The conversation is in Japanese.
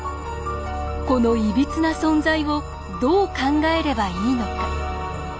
このいびつな存在をどう考えればいいのか。